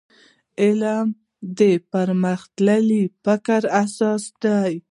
علم د پرمختللي فکر اساس دی.